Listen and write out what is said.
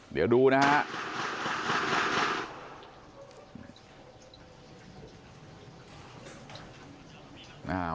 เดี๋ยวดูนะคะ